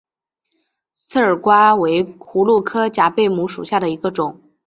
刺儿瓜为葫芦科假贝母属下的一个种。